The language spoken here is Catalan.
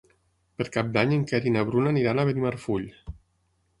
Per Cap d'Any en Quer i na Bruna aniran a Benimarfull.